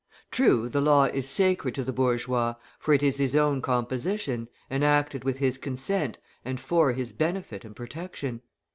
True, the law is sacred to the bourgeois, for it is his own composition, enacted with his consent, and for his benefit and protection.